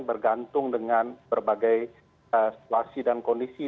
bergantung dengan berbagai situasi dan kondisi